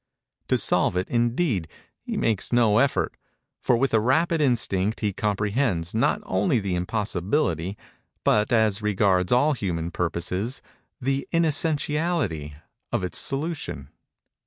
To solve it, indeed, he makes no effort; for with a rapid instinct he comprehends, not only the impossibility, but, as regards all human purposes, the inessentiality, of its solution.